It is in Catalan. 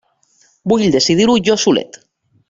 Vull decidir-ho jo solet!